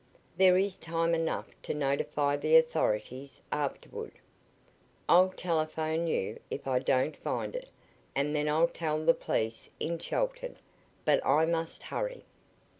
There is time enough to notify the authorities afterward. I'll telephone you if I don't find it, and then I'll tell the police in Chelton. But I must hurry."